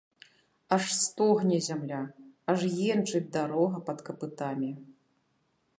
Аж стогне зямля, аж енчыць дарога пад капытамі.